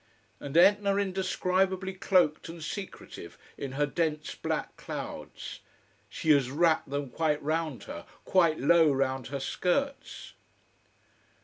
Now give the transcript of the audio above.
And Etna indescribably cloaked and secretive in her dense black clouds. She has wrapped them quite round her, quite low round her skirts.